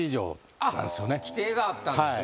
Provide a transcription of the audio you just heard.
規定があったんですね。